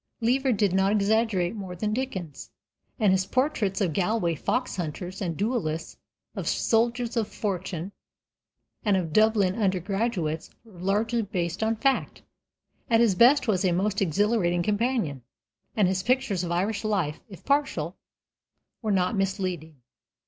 Lever did not exaggerate more than Dickens, and his portraits of Galway fox hunters and duellists, of soldiers of fortune, and of Dublin undergraduates were largely based on fact. At his best he was a most exhilarating companion, and his pictures of Irish life, if partial, were not misleading.